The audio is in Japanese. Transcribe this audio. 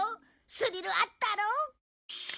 スリルあったろう？